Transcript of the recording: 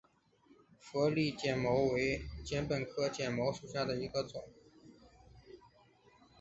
佛利碱茅为禾本科碱茅属下的一个种。